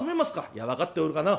「いや分かっておるがな